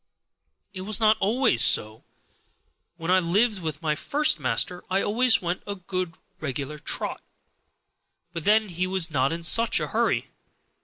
It was not always so; when I lived with my first master I always went a good regular trot, but then he was not in such a hurry.